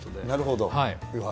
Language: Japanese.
なるほど。